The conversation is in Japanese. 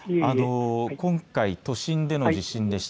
今回、都心での地震でした。